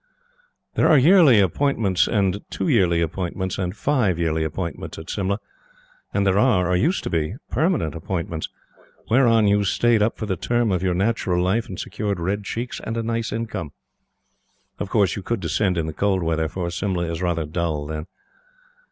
There are yearly appointments, and two yearly appointments, and five yearly appointments at Simla, and there are, or used to be, permanent appointments, whereon you stayed up for the term of your natural life and secured red cheeks and a nice income. Of course, you could descend in the cold weather; for Simla is rather dull then.